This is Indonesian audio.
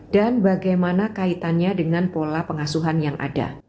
dan bagaimana kaitannya dengan pola pengasuhan yang ada